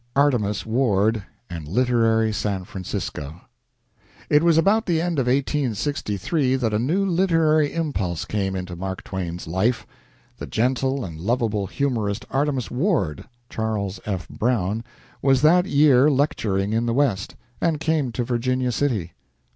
ARTEMUS WARD AND LITERARY SAN FRANCISCO It was about the end of 1863 that a new literary impulse came into Mark Twain's life. The gentle and lovable humorist Artemus Ward (Charles F. Browne) was that year lecturing in the West, and came to Virginia City.